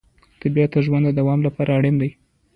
طبیعت د ژوند د دوام لپاره اړین دی